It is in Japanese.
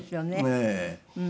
ええ。